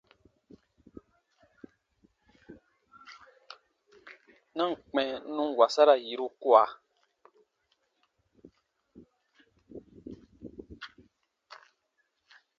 Na ǹ kpɛ̃ n nun wasara yiru kua.